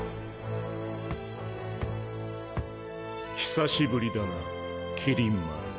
久しぶりだな麒麟丸。